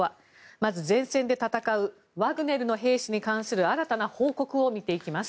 まず、前線で戦うワグネルの兵士に関する新たな報告を見ていきます。